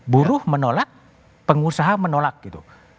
buruh menolak pengusaha menolak gitu